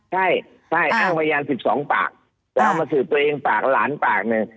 ใช่อ้างพยาน๑๒ปากแล้วเอามาสืบตัวเองปากหลานปากหนึ่ง